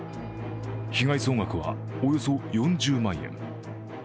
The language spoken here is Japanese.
被害総額はおよそ４０万円。